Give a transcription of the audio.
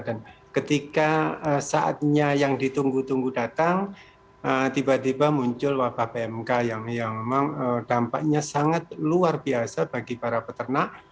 dan ketika saatnya yang ditunggu tunggu datang tiba tiba muncul wabah pmk yang memang dampaknya sangat luar biasa bagi para peternak